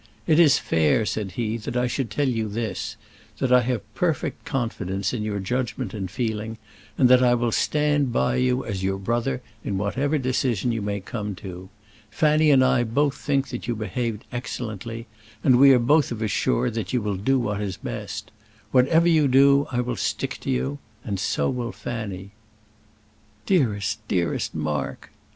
"It is fair," said he, "that I should tell you this: that I have perfect confidence in your judgment and feeling; and that I will stand by you as your brother in whatever decision you may come to. Fanny and I both think that you have behaved excellently, and are both of us sure that you will do what is best. Whatever you do I will stick to you; and so will Fanny." "Dearest, dearest Mark!"